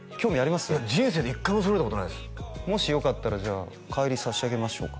人生で１回も揃えたことないですもしよかったらじゃあ帰り差し上げましょうか？